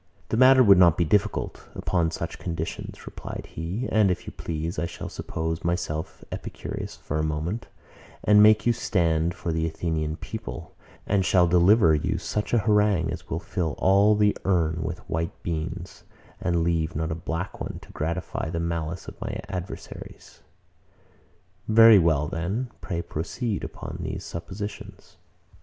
The matter would not be difficult, upon such conditions, replied he: And if you please, I shall suppose myself Epicurus for a moment, and make you stand for the Athenian people, and shall deliver you such an harangue as will fill all the urn with white beans, and leave not a black one to gratify the malice of my adversaries. Very well: Pray proceed upon these suppositions.